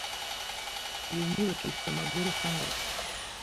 Iyo nyubako ifite amagorofa angahe?